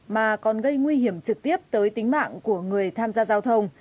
mà còn gây nguy hiểm trực tiếp tới tính mạng của người tham gia giao thông